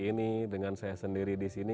ini dengan saya sendiri disini